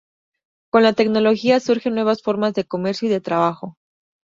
Con la tecnología surgen nuevas formas de comercio y de trabajo.